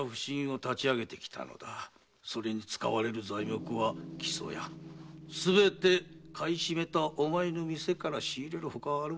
それに使われる材木は木曽屋すべて買い占めたお前の店から仕入れるほかはあるまい。